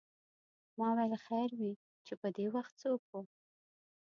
ما ویل خیر وې چې پدې وخت څوک و.